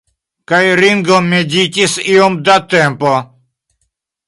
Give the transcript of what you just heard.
Kaj Ringo meditis iom da tempo.